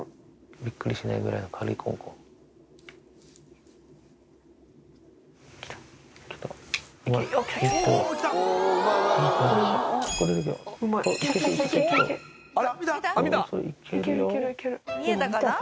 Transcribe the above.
びっくりしないくらいの軽いこんこん。